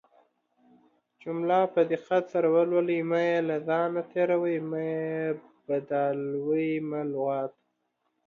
جمله په دقت سره ولولٸ مه يې له ځانه تيروٸ، مه يې بدالوۍ، مه لغت